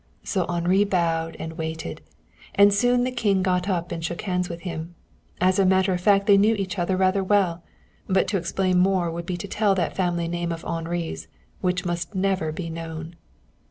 So Henri bowed and waited, and soon the King got up and shook hands with him. As a matter of fact they knew each other rather well, but to explain more would be to tell that family name of Henri's which must never be known.